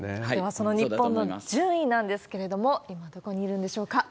その日本、順位なんですけれども、今、どこにいるんでしょう